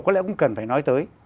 có lẽ cũng cần phải nói tới